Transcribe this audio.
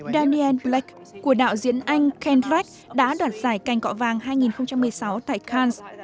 daniel black của đạo diễn anh ken frack đã đoạt giải cành cọ vàng hai nghìn một mươi sáu tại khans